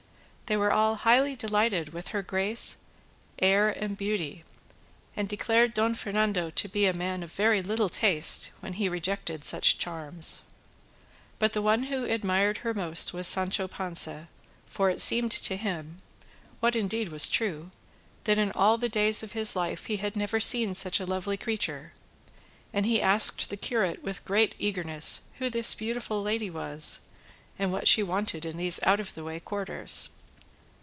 They were all highly delighted with her grace, air, and beauty, and declared Don Fernando to be a man of very little taste when he rejected such charms. But the one who admired her most was Sancho Panza, for it seemed to him (what indeed was true) that in all the days of his life he had never seen such a lovely creature; and he asked the curate with great eagerness who this beautiful lady was, and what she wanted in these out of the way quarters.